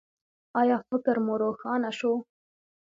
ایا فکر مو روښانه شو؟